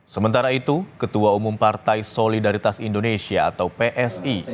sementara itu ketua umum partai solidaritas indonesia atau psi